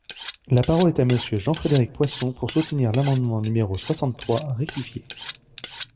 La parole est à Monsieur Jean-Frédéric Poisson, pour soutenir l’amendement numéro soixante-trois rectifié.